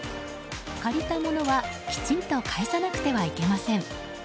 借りたものはきちんと返さなくてはなりません。